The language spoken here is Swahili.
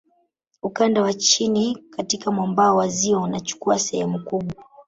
Ukanda wa chini katika mwambao wa ziwa unachukua sehemu kubwa